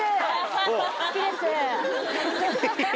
好きです。